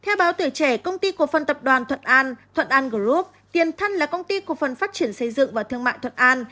theo báo tử trẻ công ty công văn tập đoàn thuận an thuận an group tiền thân là công ty công văn phát triển xây dựng và thương mại thuận an